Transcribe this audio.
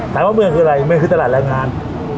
ถามว่าเมืองคืออะไรเมืองคือตลาดแรงงาน